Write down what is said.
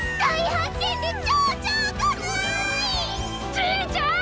じいちゃん！